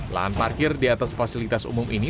lahan parkir di atas fasilitas umum ini